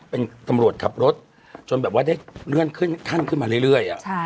เป็นตำรวจขับรถจนแบบว่าได้เลื่อนขึ้นขั้นขึ้นมาเรื่อย